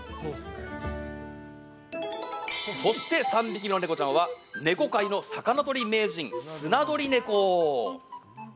そして３匹目のネコちゃんはネコ界の魚とり名人スナドリネコ。